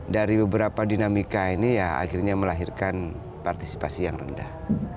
dari beberapa dinamika ini ya akhirnya melahirkan partisipasi yang rendah